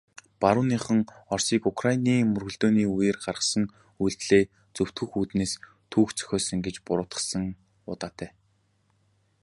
Барууныхан Оросыг Украины мөргөлдөөний үеэр гаргасан үйлдлээ зөвтгөх үүднээс түүх зохиосон гэж буруутгасан удаатай.